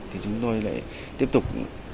thì chúng tôi lại tiếp tục